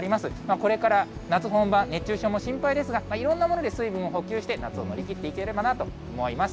これから夏本番、熱中症も心配ですが、いろんなもので水分を補給して夏を乗り切っていけるかなと思います。